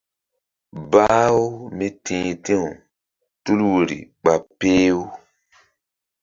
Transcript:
Bah-u míti̧h ti̧w tul woyri ɓa peh-u.